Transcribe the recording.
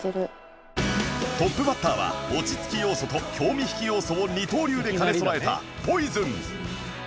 トップバッターは落ち着き要素と興味引き要素を二刀流で兼ね備えた『ＰＯＩＳＯＮ』